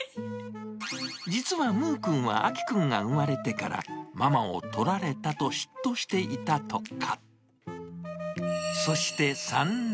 実はむーくんは、あきくんが生まれてから、ママを取られたと嫉妬していたとか。